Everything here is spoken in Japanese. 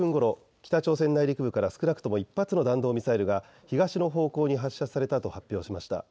北朝鮮内陸部から少なくとも１発の弾道ミサイルが東の方向に発射されたと発表しました。